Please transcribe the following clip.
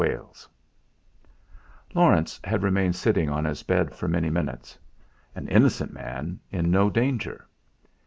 V Laurence had remained sitting on his bed for many minutes. An innocent man in no danger!